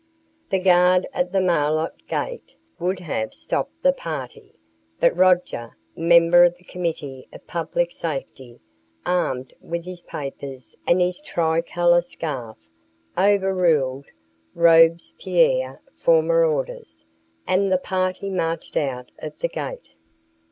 The guard at the Maillot Gate would have stopped the party, but Roger, member of the Committee of Public Safety, armed with his papers and his tricolour scarf, overruled Robespierre's former orders, and the party mached out of the gate.